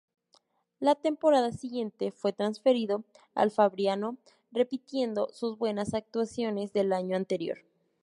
La temporada siguiente fue transferido al Fabriano, repitiendo sus buenas actuaciones del año anterior.